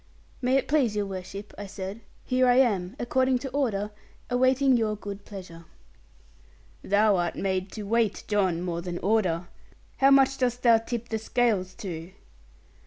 'May it please your worship,' I said, 'here I am according to order, awaiting your good pleasure.' 'Thou art made to weight, John, more than order. How much dost thou tip the scales to?'